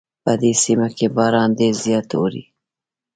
په دې سیمه کې باران ډېر زیات اوري